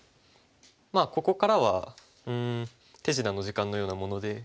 まあここからはうん手品の時間のようなもので。